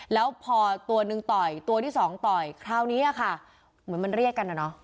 แล้วพอตัวหนึ่งต่อยตัวที่สองต่อยคราวนี้อะค่ะเหมือนมันเรียกกันอะเนาะ